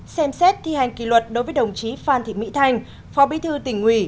một xem xét thi hành kỳ luật đối với đồng chí phan thị mỹ thanh phó bí thư tỉnh nguy